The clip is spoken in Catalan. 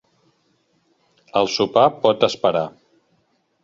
El sopar pot esperar.